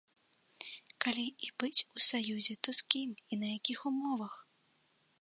Калі і быць у саюзе, то з кім і на якіх умовах?